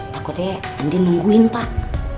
takutnya andi nungguin pak